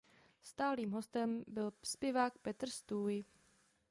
Stálým hostem byl zpěvák Petr Stůj.